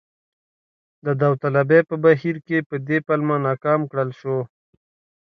د داوطلبۍ په بهیر کې په دې پلمه ناکام کړل شو.